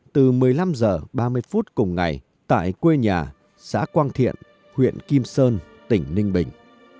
từ một mươi năm h ba mươi phút cùng ngày tại quê nhà xã quang thiện huyện kim sơn tỉnh ninh bình